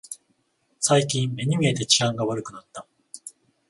最近目に見えて治安が悪くなった